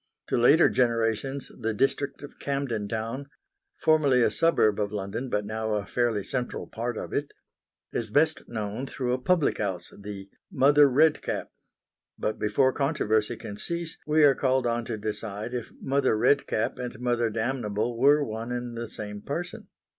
To later generations the district of Camden Town formerly a suburb of London but now a fairly central part of it is best known through a public house, the Mother Red Cap. But before controversy can cease we are called on to decide if Mother Red Cap and Mother Damnable were one and the same person.